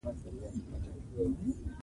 افغانستان کې ګاز د چاپېریال د تغیر نښه ده.